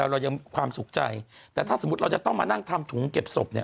เรายังความสุขใจแต่ถ้าสมมุติเราจะต้องมานั่งทำถุงเก็บศพเนี่ย